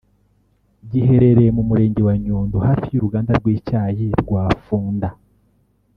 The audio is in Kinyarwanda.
giherereye mu Murenge wa Nyundo hafi y’uruganda rw’icyayi rwa Pfunda